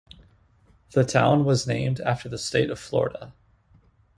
The town was named after the state of Florida.